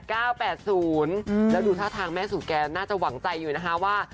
แล้วดูท่าทางแม่สู่แกน่าจะหวังใจอยู่นะคะว่า